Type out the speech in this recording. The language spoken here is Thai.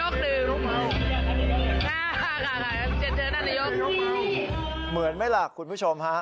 ขนาดนี้คุณผู้ชมค่ะ